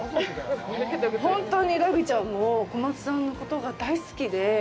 ほんとにラビーちゃんも小松さんのことが大好きで。